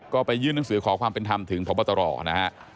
ก็ไปยื่นหนังสือขอความเป็นธรรมถึงพบตรนะฮะ